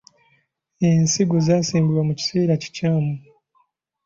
Ensigo zaasimbibwa mu kiseera kikyamu.